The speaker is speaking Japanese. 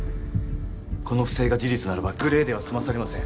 この不正が事実ならばグレーでは済まされません